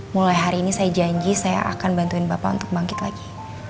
mulai hari ini saya janji saya akan bantuin bapak untuk bangkit lagi